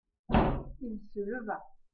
Il se leva.